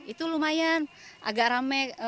itu lumayan agak rame